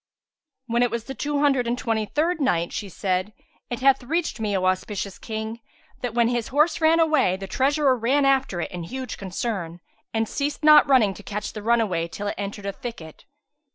When it was the Two Hundred and Twenty third Night, She said, It hath reached me, O auspicious King, that when his horse ran away, the treasurer ran after it in huge concern, and ceased not running to catch the runaway till it entered a thicket.